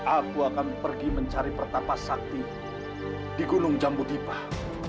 aku akan pergi mencari pertapa sakti di gunung jambudipah